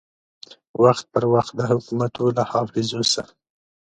وخت پر وخت د حکومتو له حافظو سه